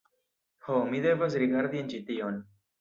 Ho, mi devas rigardi en ĉi tion